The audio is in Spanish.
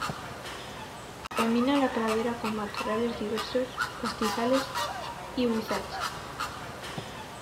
Domina la pradera con matorrales diversos, pastizales y huizache.